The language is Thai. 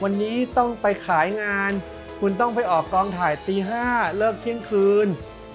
วันนี้ต้องไปขายงานคุณต้องไปออกกองถ่ายตี๕เลิกเที่ยงคืน